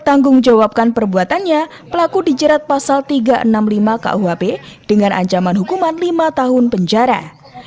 tanggung jawabkan perbuatannya pelaku dijerat pasal tiga ratus enam puluh lima kuhp dengan ancaman hukuman lima tahun penjara